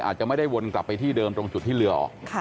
อาจจะไม่ได้วนกลับไปที่เดิมตรงจุดที่เรือออก